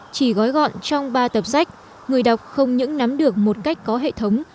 chỉ gói gọn trong ba tập sách người đọc không những nắm được một cách có hệ thống